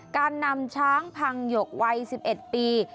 การนำช้างพังหยกวัย๑๑ปี